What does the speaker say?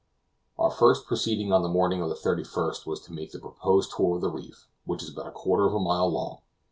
Our first proceeding on the morning of the 31st was to make the proposed tour of the reef, which is about a quarter of a mile long.